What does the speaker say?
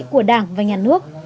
của đảng và nhà nước